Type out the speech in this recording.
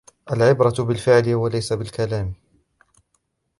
العبرة بالفعل و ليس بالكلام.